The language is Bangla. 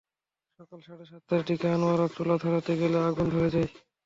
সকাল সাড়ে সাতটার দিকে আনোয়ারা চুলা ধরাতে গেলে আগুন ধরে যায়।